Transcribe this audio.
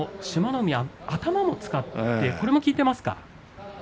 海は頭も使って、これも効いていますか。